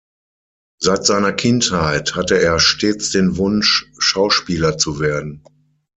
Seit seiner Kindheit hatte er stets den Wunsch Schauspieler zu werden.